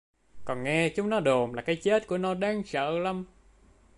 Còn nghe chúng nó đồn là cái chết của nó đáng sợ lắm